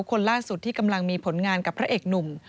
คนล่าสุดที่กำลังมีผลงานกับพระเอกหนุ่ม